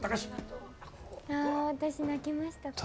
あ私泣きました